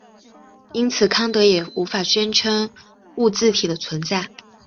因此康德也无法宣称物自体的存在。